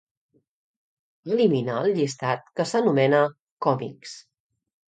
Elimina el llistat que s'anomena "còmics".